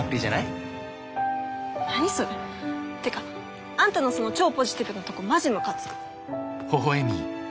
てかあんたのその超ポジティブなとこマジむかつく。